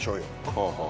はあはあ。